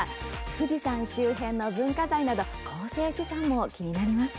富士山周辺の文化財など構成資産も気になります。